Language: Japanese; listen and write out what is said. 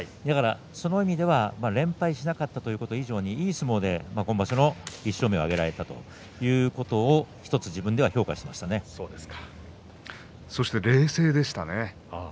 その意味では連敗しなかったということ以上にいい相撲で今場所の１勝目を挙げられたということをそして冷静でしたね。